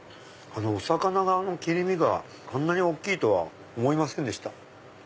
お魚の切り身があんなに大きいと思いませんでした。